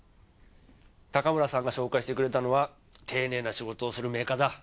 高村さんが紹介してくれたのは丁寧な仕事をするメーカーだ。